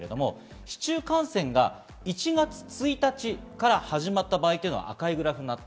市中感染が１月１日から始まった場合、赤いグラフです。